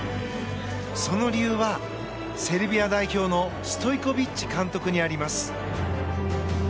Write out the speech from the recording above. その理由は、セルビア代表のストイコビッチ監督にあります。